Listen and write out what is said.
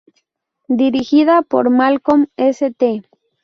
Dirigida por Malcolm St.